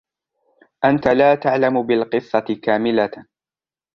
أنت لا تعلم بالقصة كاملة.